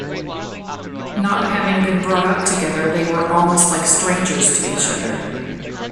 Not having been brought up together they were almost like strangers to each other.